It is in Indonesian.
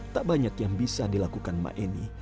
tak banyak yang bisa dilakukan ma emi